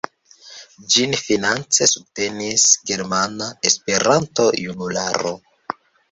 Ĝin finance subtenis Germana Esperanto-Junularo.